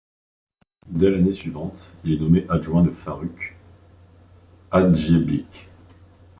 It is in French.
Dès l'année suivante, il est nommé adjoint de Faruk Hadžibegić.